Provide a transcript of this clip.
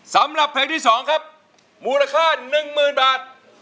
สำหรับเพลงที่๒ครับมูลค่า๑๐๐๐บาท